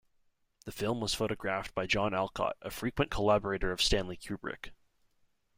The film was photographed by John Alcott, a frequent collaborator of Stanley Kubrick.